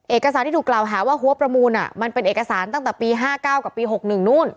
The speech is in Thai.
เอกสารที่ถูกกล่าวหาว่าหัวประมูลมันเป็นเอกสารตั้งแต่ปี๕๙กับปี๖๑นู่น